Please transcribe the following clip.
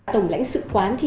tổng lãnh sự quán